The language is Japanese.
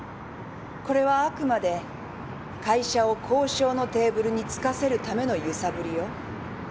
これはあくまで会社を交渉のテーブルに着かせるための揺さぶりよ。